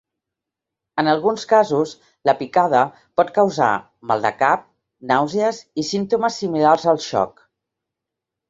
En alguns casos, la picada pot causar mal de cap, nàusees i símptomes similars al xoc.